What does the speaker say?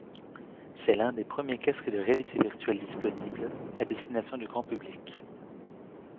C'est l'un des premiers casques de réalité virtuelle disponible, à destination du grand public.